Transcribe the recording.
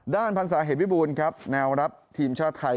ด้านพรรษาเหตุวิบูรณ์แนวรับทีมชาติไทย